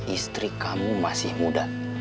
istri kamu masih muda